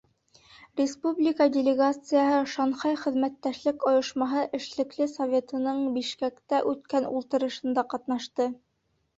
Республика делегацияһы Шанхай хеҙмәттәшлек ойошмаһы Эшлекле советының Бишкәктә үткән ултырышында ҡатнашты.